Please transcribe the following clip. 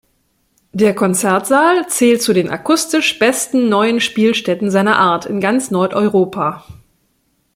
Der Konzertsaal zählt zu den akustisch besten neuen Spielstätten seiner Art in ganz Nordeuropa.